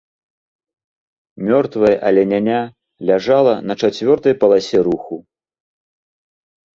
Мёртвае аленяня ляжала на чацвёртай паласе руху.